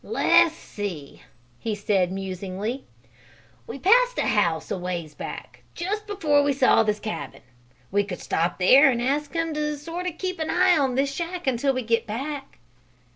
"Let's see," he said, musingly. "We passed a house a ways back, just before we saw this cabin. We could stop there and ask 'em to sort of keep an eye on this shack until we get back."